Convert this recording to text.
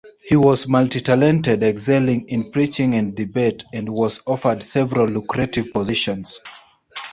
He was multi-talented, excelling in preaching and debate, and was offered several lucrative positions.